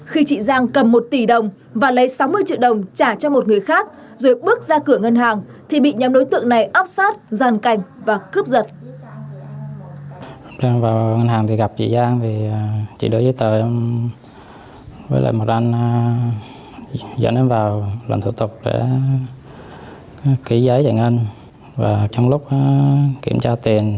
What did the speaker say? khi chị giang cầm một tỷ đồng và lấy sáu mươi triệu đồng trả cho một người khác rồi bước ra cửa ngân hàng thì bị nhóm đối tượng này óp sát giàn cảnh và cướp giật